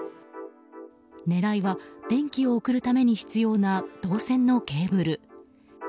狙いは、電気を送るために必要な銅線のケーブル。